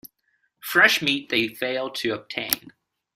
Fresh meat they failed to obtain.